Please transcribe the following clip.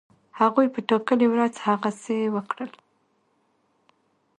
هغوی په ټاکلې ورځ هغسی وکړل.